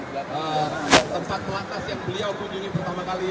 tempat pelantas yang beliau kunjungi pertama kali